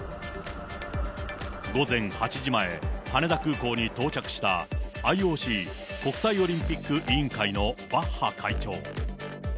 午前８時前、羽田空港に到着したＩＯＣ・国際オリンピック委員会のバッハ会長。